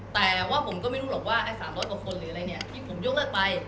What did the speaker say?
แต่ว่าผมก็ไม่รู้หรอกไอ้๓๐๐กว่าคนที่ยกเลือกไป